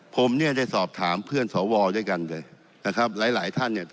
ผมเนี่ยได้สอบถามเพื่อนสวด้วยกันเลยนะครับหลายหลายท่านเนี่ย